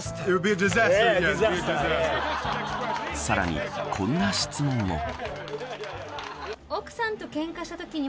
さらに、こんな質問も。